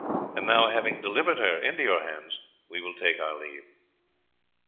And now, having delivered her into your hands, we will take our leave."